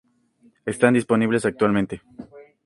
Están disponibles actualmente.